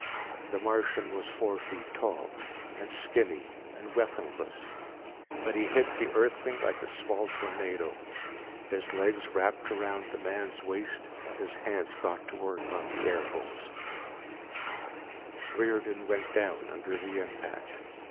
The Martian was four feet tall, and skinny and weaponless, but he hit the Earthling like a small tornado. His legs wrapped around the man's waist and his hands got to work on the airhose. Riordan went down under the impact.